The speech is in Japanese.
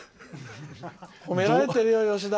褒められてるよ、吉田。